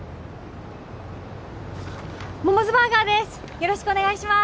モモズバーガーです